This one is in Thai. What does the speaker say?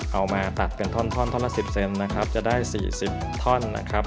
เอามาตัดเป็นท่อนท่อนละ๑๐เซนนะครับจะได้๔๐ท่อนนะครับ